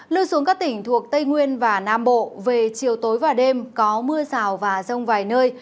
lưu xuống các tỉnh thuộc tây nguyên và nam bộ về chiều tối và đêm có mưa rào và rông vài nơi